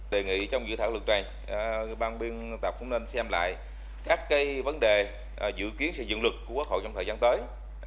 đề nghị trong dự thảo luật này ban biên tập cũng nên xem lại các vấn đề dự kiến xây dựng luật của quốc hội trong thời gian tới